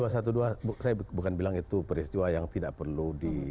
saya bukan bilang itu peristiwa yang tidak perlu di